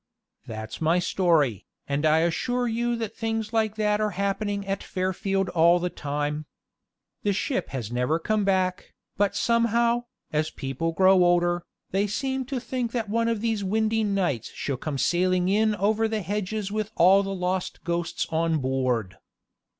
That's my story, and I assure you that things like that are happening at Fairfield all the time. The ship has never come back, but somehow, as people grow older, they seem to think that one of these windy nights she'll come sailing in over the hedges with all the lost ghosts on board.